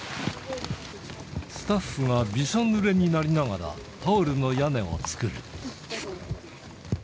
スタッフがびしょぬれになりながら、タオルの屋根を作る。